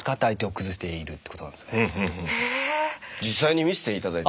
実際に見せて頂いて。